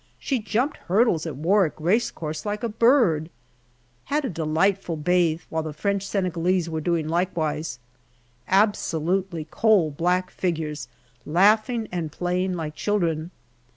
She jumped hurdles at Warwick race course like a bird. Had a delight ful bathe while the French Senegalese were doing likewise. Absolutely coal black figures, laughing and playing like children.